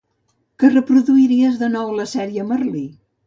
Que reproduiries de nou la sèrie "Merlí"?